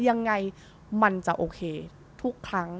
ยังไงมันจะโอเคทุกครั้ง